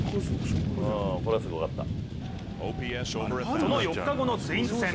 その４日後のツインズ戦。